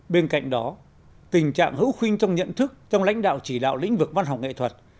bên cạnh đó tình trạng hữu khuênh trong nhận thức trong lãnh đạo chỉ đạo lĩnh vực văn học nghệ thuật